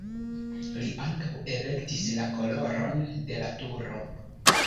Li ankaŭ elektis la koloron de la turo.